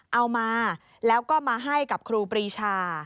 เอามาแล้วก็มาให้กับครูปรีชา